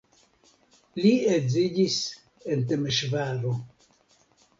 Li edziĝis en Temeŝvaro.